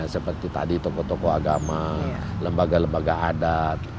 seperti tadi tokoh tokoh agama lembaga lembaga adat